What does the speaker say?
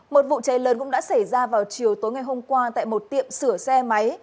một vụ cháy lớn cũng đã xảy ra vào chiều tối ngày hôm qua tại một tiệm sửa xe máy